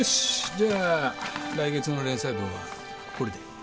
じゃあ来月の連載分はこれで。